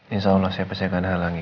insya allah siapa sih yang akan halangi